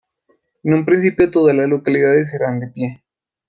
En un principio todas las localidades eran de pie.